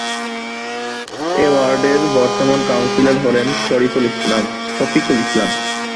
এ ওয়ার্ডের বর্তমান কাউন্সিলর হলেন শফিকুল ইসলাম।